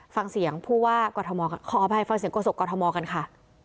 ฟังเสียงกฎธมกันค่ะ